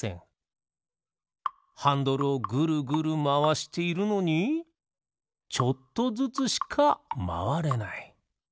ハンドルをグルグルまわしているのにちょっとずつしかまわれない。